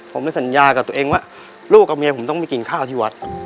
ผมเลยสัญญากับตัวเองว่าลูกกับเมียผมต้องไปกินข้าวที่วัด